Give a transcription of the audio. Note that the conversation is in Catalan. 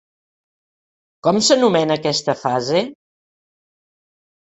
Com s'anomena aquesta fase?